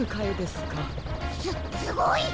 すすごい！